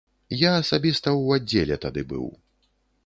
Я асабіста ў аддзеле тады быў.